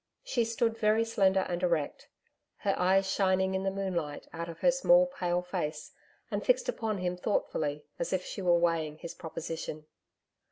She stood very slender and erect, her eyes shining in the moonlight out of her small pale face and fixed upon him thoughtfully as if she were weighing his proposition.